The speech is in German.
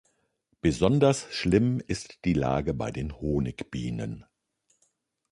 Besonders schlimm ist die Lage bei den Honigbienen.